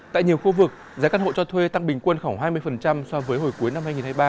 tại nhiều khu vực giá căn hộ cho thuê tăng bình quân khoảng hai mươi so với hồi cuối năm hai nghìn hai mươi ba